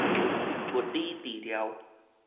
物理治療